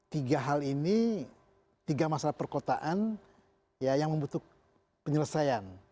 tiga hal ini tiga masalah perkotaan yang membutuhkan penyelesaian